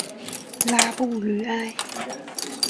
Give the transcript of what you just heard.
拉布吕埃。